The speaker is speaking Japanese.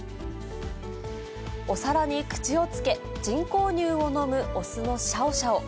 お皿に口をつけ、人工乳を飲む雄のシャオシャオ。